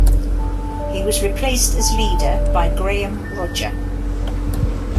He was replaced as leader by Graeme Rodger.